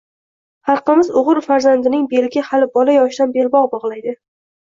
Xalqimiz o‘g‘il farzandining beliga hali bola yoshidan belbog‘ bog‘laydi